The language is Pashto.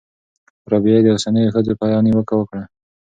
رابعې د اوسنیو ښځو په حیا نیوکه وکړه.